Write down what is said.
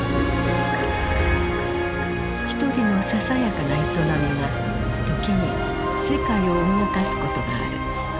一人のささやかな営みが時に世界を動かすことがある。